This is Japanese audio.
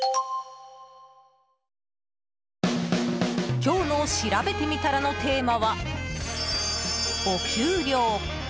今日のしらべてみたらのテーマはお給料。